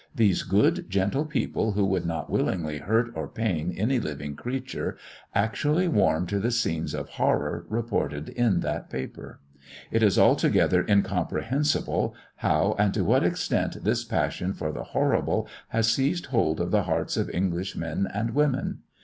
These good, gentle people, who would not willingly hurt or pain any living creature, actually warm to the scenes of horror reported in that paper. It is altogether incomprehensible, how and to what extent this passion for the horrible has seized hold of the hearts of English men and women.